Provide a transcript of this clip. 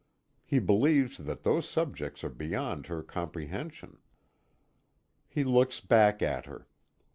He believes that those subjects are beyond her comprehension. He looks back at her.